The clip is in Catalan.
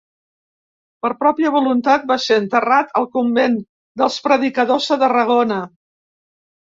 Per pròpia voluntat va ser enterrat al convent dels predicadors de Tarragona.